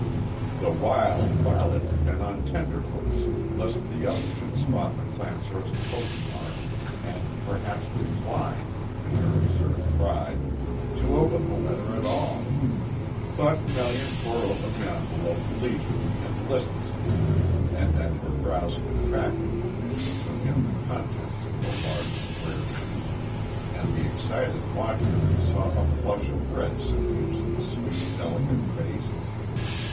The while Violet had been on tenter hooks lest the other should spot the Clancehurst postmark, and perhaps decline, in her absurd pride, to open the letter at all. But Melian tore open the envelope leisurely and listlessly, and then her brows contracted as she took in the contents of the large square sheet and the excited watcher saw a flush of red suffuse the sweet, delicate face.